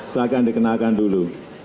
silahkan dikenalkan dulu